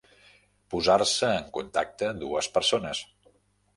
Posar-se en contacte dues persones.